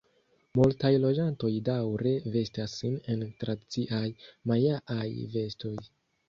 Multaj loĝantoj daŭre vestas sin en tradiciaj majaaj vestoj.